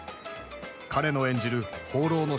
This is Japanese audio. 彼の演じる放浪の紳士